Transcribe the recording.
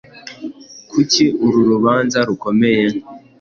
Kuki uru rubanza rukomeye